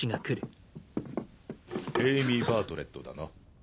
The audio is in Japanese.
エイミー・バートレットだな？